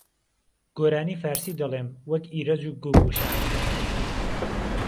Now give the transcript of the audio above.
گۆرانی فارسی دهڵێم وهک ئیرهج و گووگووشان